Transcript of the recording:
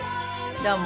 どうも。